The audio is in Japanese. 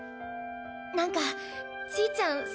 何かちぃちゃん